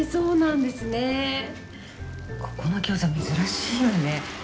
ここの餃子珍しいわね。